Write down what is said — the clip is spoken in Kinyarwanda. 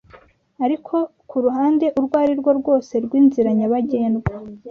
ari ku ruhande urwo arirwo rwose rw'inzira nyabagendwa